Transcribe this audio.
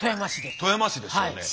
富山市ですよね。